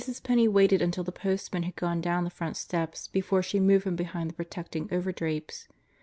PENNEY waited until the postman had gone down the front steps before she moved from behind the protecting overdrapes.